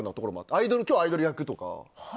アイドルとアイドル役。